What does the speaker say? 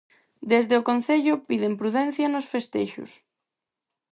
Desde o concello piden prudencia nos festexos.